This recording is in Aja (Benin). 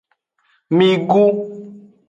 Migu.